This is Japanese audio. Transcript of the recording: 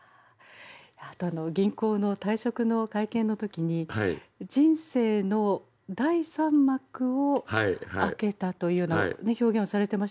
あと銀行の退職の会見の時に「人生の第三幕を開けた」というような表現をされてましたけど。